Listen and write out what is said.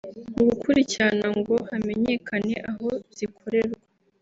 Mu gukurikirana ngo hamenyekane aho zikorerwa